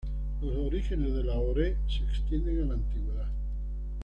Los orígenes de Lahore se extienden a la antigüedad.